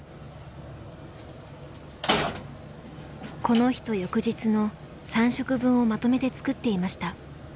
この日と翌日の３食分をまとめて作っていました。